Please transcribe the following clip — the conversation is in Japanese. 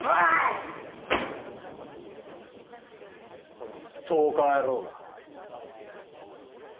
このストーカー野郎が。